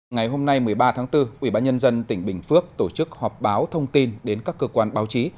ngày hôm nay một mươi ba tháng bốn ubnd tỉnh bình phước tổ chức họp báo thông tin đến các cơ quan báo chí